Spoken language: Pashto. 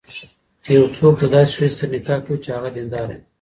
يو څوک د داسي ښځي سره نکاح کوي، چي هغه دينداره وي